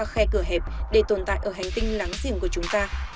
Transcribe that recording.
khe cửa hẹp để tồn tại ở hành tinh láng giềng của chúng ta